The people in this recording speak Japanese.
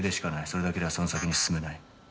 それだけではその先に進めない。